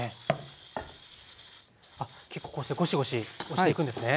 あっ結構こうしてゴシゴシ押していくんですね。